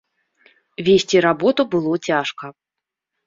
Весці работу было цяжка.